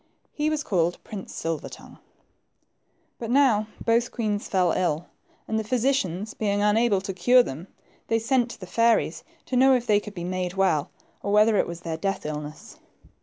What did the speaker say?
He was called Prince Silver tongue. But now both queens fell ill, and the physicians, being unable to cure them, they sent to the fairies to know if they could be made well, or * whether it was their death illness.